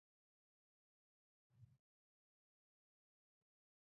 پلاستیکي قلم ارزانه دی.